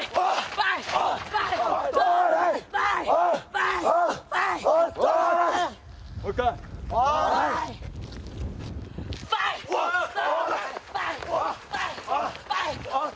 ファイッ！